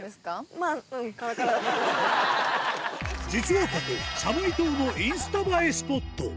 まあ、実はここ、サムイ島のインスタ映えスポット。